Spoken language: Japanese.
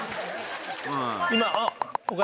今。